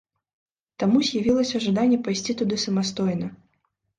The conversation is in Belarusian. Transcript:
Таму з'явілася жаданне пайсці туды самастойна.